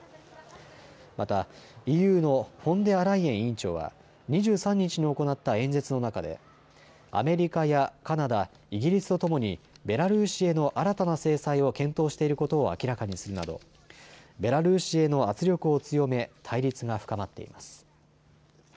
またＥＵのフォンデアライエン委員長は２３日に行った演説の中でアメリカやカナダ、イギリスとともにベラルーシへの新たな制裁を検討していることを明らかにするなどベラルーシへの圧力を強め対立が深まっています。